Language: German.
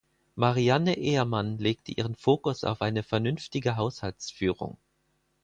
Marianne Ehrmann legte ihren Fokus auf eine vernünftige Haushaltsführung.